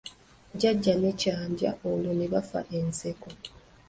Jjajja ne Kyajja olwo ne bafa enseko.